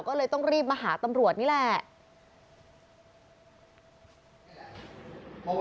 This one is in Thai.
ก็เลยต้องรีบมาหาตำรวจนี่แหละ